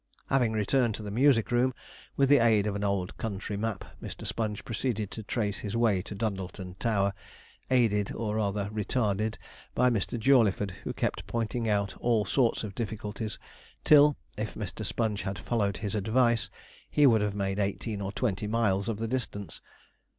Having returned to the music room, with the aid of an old county map Mr. Sponge proceeded to trace his way to Dundleton Tower; aided, or rather retarded, by Mr. Jawleyford, who kept pointing out all sorts of difficulties, till, if Mr. Sponge had followed his advice, he would have made eighteen or twenty miles of the distance.